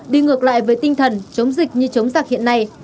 đi ngược lại với tinh thần chống dịch như chống giặc hiện nay